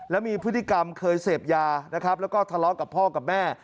แล้วมีพฤติกรรมเคยเสพยานะครับแล้วก็ทะเลาะกับพ่อกับแม่